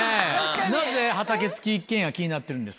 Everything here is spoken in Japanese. なぜ畑付き一軒家気になってるんですか？